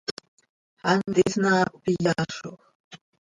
Hant isnaap iyaazoj.